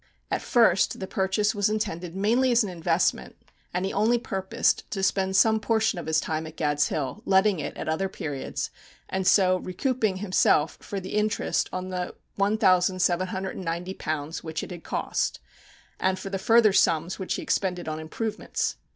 At first the purchase was intended mainly as an investment, and he only purposed to spend some portion of his time at Gad's Hill, letting it at other periods, and so recouping himself for the interest on the £1,790 which it had cost, and for the further sums which he expended on improvements.